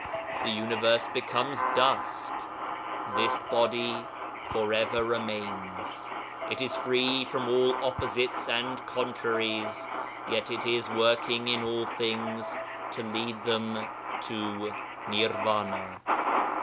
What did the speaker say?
The universe becomes dust; this Body for ever remains. It is free from all opposites and contraries, yet it is working in all things to lead them to Nirvana.'